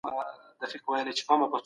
يو بل ته بايد د خير لاس ورکړو.